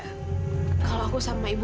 kalau aku sama ibu aku ketemu sama papa kamu